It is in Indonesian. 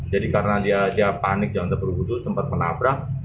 jadi karena dia panik jangan terperugut itu sempat menabrak